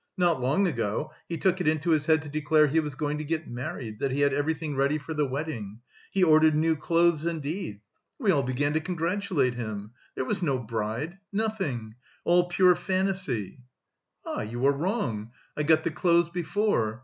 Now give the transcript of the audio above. Not long ago he took it into his head to declare he was going to get married, that he had everything ready for the wedding. He ordered new clothes indeed. We all began to congratulate him. There was no bride, nothing, all pure fantasy!" "Ah, you are wrong! I got the clothes before.